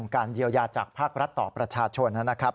การเยียวยาจากภาครัฐต่อประชาชนนะครับ